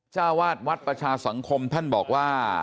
เจ้าวาดวัดประชาสังคมท่านบอกว่า